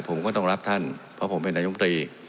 ผมก็ต้องรับท่านเพราะผมเป็นนายมตรี